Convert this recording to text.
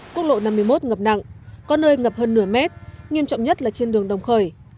quốc lộ năm mươi một ngập nặng có nơi ngập hơn nửa mét nghiêm trọng nhất là trên đường đồng khởi